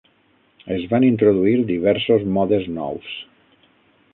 Es van introduir diversos modes nous.